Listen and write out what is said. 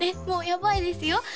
もうやばいですよ